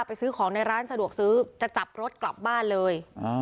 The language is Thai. ซื้อของในร้านสะดวกซื้อจะจับรถกลับบ้านเลย